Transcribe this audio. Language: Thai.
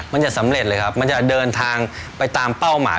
มันจะสำเร็จเลยครับมันจะเดินทางไปตามเป้าหมาย